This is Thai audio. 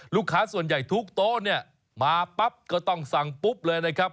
ลูกค้าส่วนใหญ่ทุกโต๊ะเนี่ยมาปั๊บก็ต้องสั่งปุ๊บเลยนะครับ